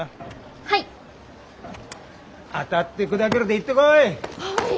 当たって砕けろで行ってこい！